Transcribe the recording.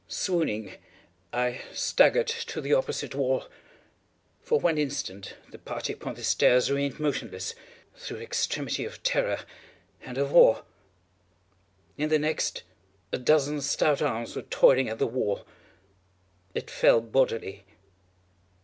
Swooning, I staggered to the opposite wall. For one instant the party upon the stairs remained motionless, through extremity of terror and of awe. In the next, a dozen stout arms were toiling at the wall. It fell bodily.